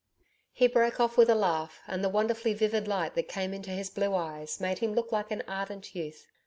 He broke off with a laugh, and the wonderfully vivid light that came into his blue eyes made him look like an ardent youth.